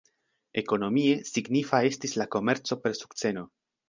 Ekonomie signifa estis la komerco per sukceno.